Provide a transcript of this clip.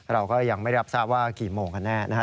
เราก็ยังไม่รับทราบว่ากี่โมงกันแน่นะครับ